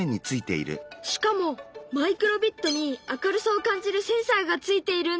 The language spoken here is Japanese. しかもマイクロビットに明るさを感じるセンサーがついているんだ。